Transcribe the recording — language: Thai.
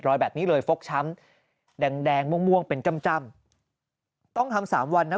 รอยแบบนี้เลยฟกช้ำแดงม่วงเป็นจำต้องทำ๓วันนะ